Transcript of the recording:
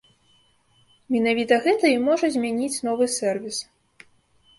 Менавіта гэта і можа змяніць новы сэрвіс.